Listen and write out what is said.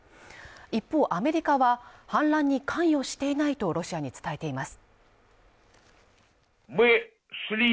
一方アメリカは反乱に関与していないとロシアに伝えています。